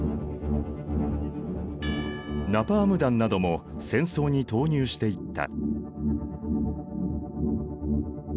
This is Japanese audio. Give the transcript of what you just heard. ナパーム弾なども戦争に投入していった。